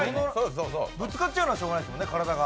ぶつかっちゃうのはしょうがないですもんね、体が。